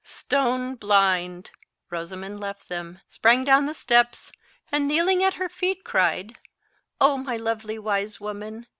Stone blind!" Rosamond left them, sprang down the steps, and kneeling at her feet, cried, "Oh, my lovely wise woman!